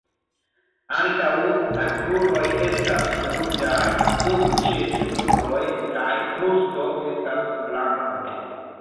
Ankaŭ la kruroj estas ruĝaj, dum ĉe femuroj kaj brusto estas blanko.